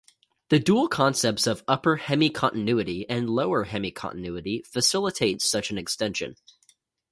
The dual concepts of upper hemicontinuity and lower hemicontinuity facilitate such an extension.